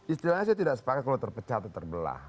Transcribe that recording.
istilahnya saya tidak sepakat kalau terpecah atau terbelah